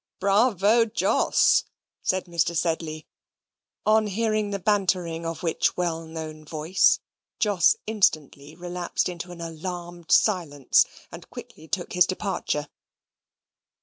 "Bravo, Jos!" said Mr. Sedley; on hearing the bantering of which well known voice, Jos instantly relapsed into an alarmed silence, and quickly took his departure.